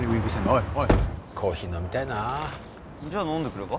おいおいコーヒー飲みたいなあじゃ飲んでくれば？